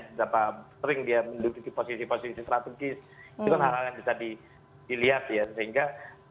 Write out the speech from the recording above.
seberapa sering dia menduduki posisi posisi strategis itu kan hal hal yang bisa dilihat ya sehingga